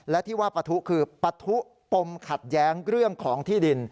และที่ว่าปะทุคือปะทุปมขัดแย้งเรื่องของที่ดิน